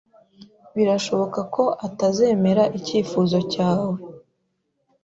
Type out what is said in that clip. Birashoboka ko atazemera icyifuzo cyawe.